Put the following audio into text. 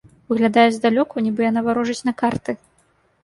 Выглядае здалёку, нібы яна варожыць на карты.